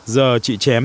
giờ chị chém